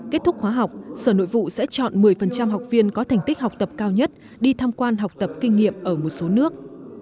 kết thúc khóa học sở nội vụ sẽ chọn một mươi học viên có thành tích học tập cao nhất đi tham quan học tập kinh nghiệm ở một số nước